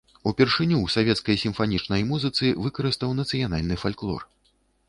Упершыню ў свецкай сімфанічнай музыцы выкарыстаў нацыянальны фальклор.